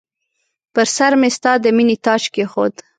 پر سرمې ستا د مییني تاج کښېښود